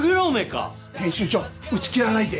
編集長、打ち切らないで。